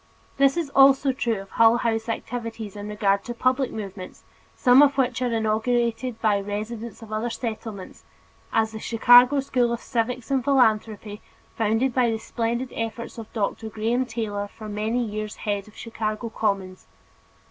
This is also true of Hull House activities in regard to public movements, some of which are inaugurated by the residents of other Settlements, as the Chicago School of Civics and Philanthropy, founded by the splendid efforts of Dr. Graham Taylor for many years head of Chicago Commons.